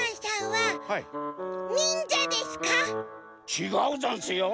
ちがうざんすよ。